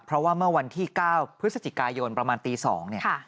เพราะว่าเมื่อวันที่๙พฤศจิกายนประมาณตี๒เนี่ย